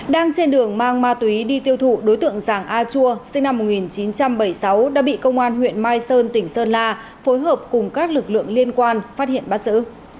đang trên đường mang ma túy đi tiêu thụ đối tượng giàng a chua sinh năm một nghìn chín trăm bảy mươi sáu đã bị công an huyện mai sơn tỉnh sơn la phối hợp cùng các lực lượng liên quan phát hiện bắt xử